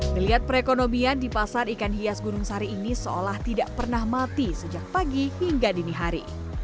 melihat perekonomian di pasar ikan hias gunung sari ini seolah tidak pernah mati sejak pagi hingga dini hari